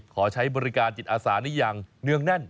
ขอใช้บริการจิตอาสานี้อย่างเนื่องแน่น